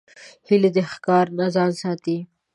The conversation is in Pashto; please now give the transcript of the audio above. هیلۍ د ښکار نه ځان ساتي